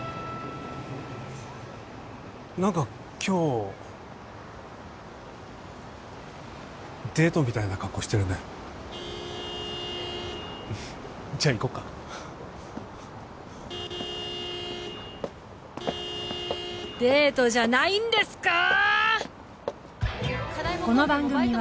何か今日デートみたいな格好してるねじゃあ行こうかデートじゃないんですかー！